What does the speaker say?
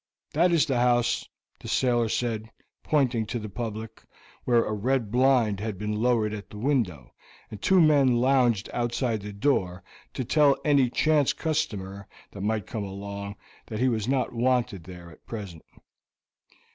"That is the house," the sailor said, pointing to the public, where a red blind had been lowered at the window, and two men lounged outside the door to tell any chance customer that might come along he was not wanted there at present.